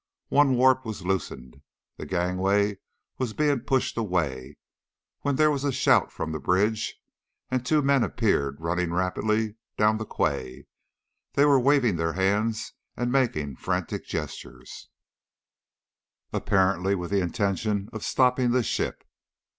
One warp was loosened, the gangway was being pushed away, when there was a shout from the bridge, and two men appeared, running rapidly down the quay. They were waving their hands and making frantic gestures, apparently with the intention of stopping the ship.